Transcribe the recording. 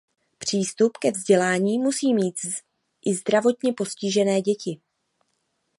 Přístup ke vzdělání musí mít i zdravotně postižené děti.